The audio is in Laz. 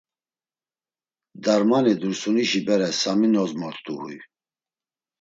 Darmani Dursunişi bere Sami nozmort̆u huy.